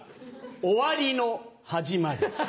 「終わりの始まり」。